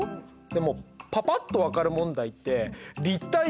でもパパっと分かる問題って立体じゃん。